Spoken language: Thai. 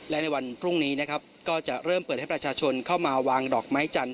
และในวันพรุ่งนี้นะครับก็จะเริ่มเปิดให้ประชาชนเข้ามาวางดอกไม้จันท